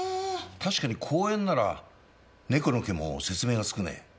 確かに公園なら猫の毛も説明がつくね。